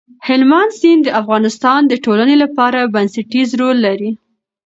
هلمند سیند د افغانستان د ټولنې لپاره بنسټيز رول لري.